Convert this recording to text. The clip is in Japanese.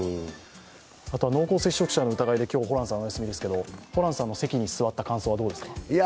濃厚接触者の疑いで今日はホランさんは欠席ですけど、ホランさんの席に座った感想はどうですか？